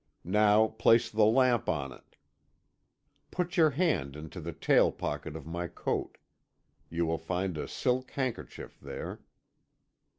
Now place the lamp on it. Put your hand into the tail pocket of my coat; you will find a silk handkerchief there."